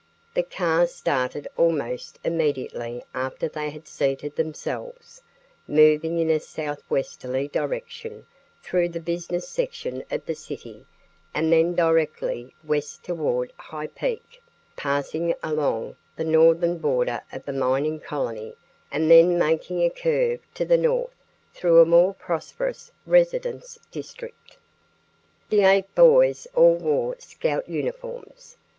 The car started almost immediately after they had seated themselves, moving in a southwesterly direction through the business section of the city and then directly west toward High Peak, passing along the northern border of the mining colony and then making a curve to the north through a more prosperous residence district. The eight boys all wore Scout uniforms.